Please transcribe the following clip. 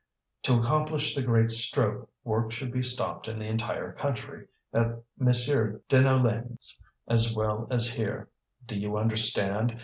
To accomplish the great stroke, work should be stopped in the entire country, at Monsieur Deneulin's as well as here. Do you understand?